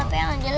apa yang anjur